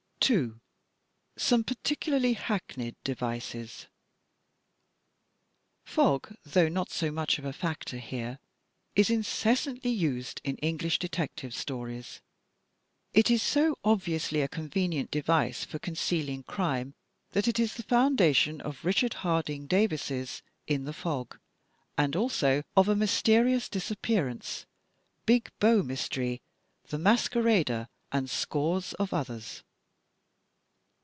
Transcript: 2. Some Particularly Hackneyed Devices Fog, though not so much of a factor here, is incessantly used in English detective stories. It is so obviously a con venient device for concealing crime, that it is the foimdation of Richard Harding Davis's "In the Fog" and also of "A M)rsterious Disappearance," "Big Bow Mystery," "The Masquerader," and scores of others.